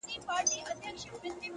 ادبي غونډه کي نيوکي وسوې,